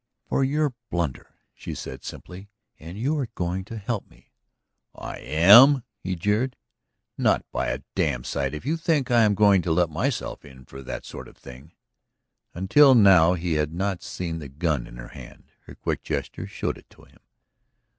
"For your blunder," she said simply. "And you are going to help me." "Am I?" he jeered. "Not by a damned sight! If you think that I am going to let myself in for that sort of thing ..." Until now he had not seen the gun in her hand. Her quick gesture showed it to him.